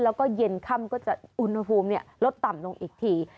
แล้วก็เย็นค่ำก็จะอุณหภูมิลดต่ำลงอีกที